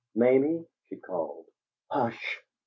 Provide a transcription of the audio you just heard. "Mamie?" she called. "Hush!"